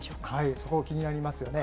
そこ、気になりますよね。